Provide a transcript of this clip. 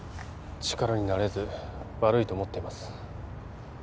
力になれず悪いと思っています